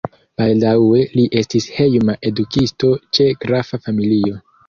Baldaŭe li estis hejma edukisto ĉe grafa familio.